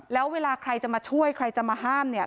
แล้วเวลาใครจะมาช่วยใครจะมาห้ามเนี่ย